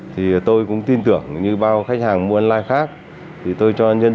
thì tôi cũng tin tưởng như bao khách hàng mua online khác thì tôi cho nhân viên giao hàng